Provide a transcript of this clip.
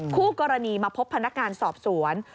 คู่กรณีมาพบพนักงานสอบสวน